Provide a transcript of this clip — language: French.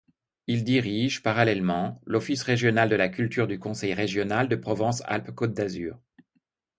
Il dirige, parallèlement, l'Office Régional de la Culture du Conseil régional de Provence-Alpes-Côte d'Azur.